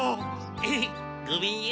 ヘヘっごめんよ。